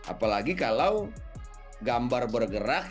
apalagi kalau gambar bergerak